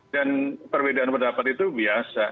dan perbedaan pendapat itu biasa